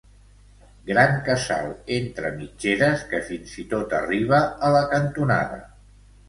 Gran casal entre mitgeres que fins i tot arriba a la cantonada.